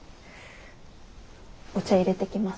お茶いれてきます。